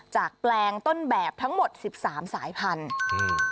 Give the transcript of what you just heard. จากแปลงต้นแบบทั้งหมด๑๓สายพันธุ์